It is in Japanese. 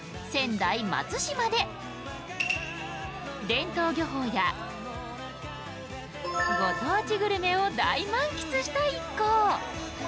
伝統漁法やご当地グルメを大満喫した一行。